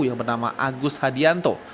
yang bernama agus hadianto